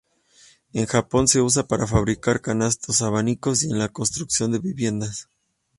En Japón se usa para fabricar canastos, abanicos y en la construcción de viviendas.